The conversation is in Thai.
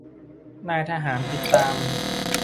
นายทหารติดตาม